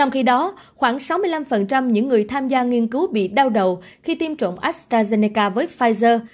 hai mươi năm những người tham gia nghiên cứu bị đau đầu khi tiêm trộn astrazeneca với pfizer